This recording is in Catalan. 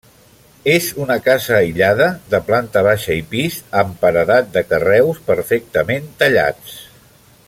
És una casa aïllada, de planta baixa i pis, amb paredat de carreus perfectament tallats.